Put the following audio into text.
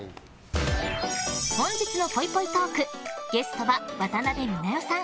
本日のぽいぽいトークゲストは、渡辺美奈代さん